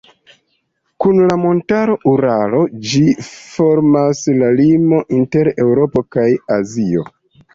Kun la montaro Uralo ĝi formas la limon inter Eŭropo kaj Azio.